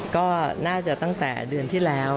ก็น่าจะตั้งแต่เดือนที่แล้ว